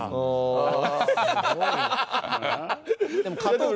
ああ。